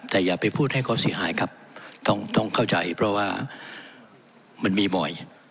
แต่อย่าไปพูดให้เขาเสียหายครับต้องต้องเข้าใจเพราะว่ามันมีบ่อย